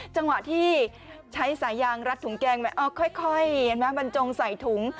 จังหวะที่ใช้สายยางรัดถุงแกงไว้ค่อยเห็นไหมบรรจงใส่ถุง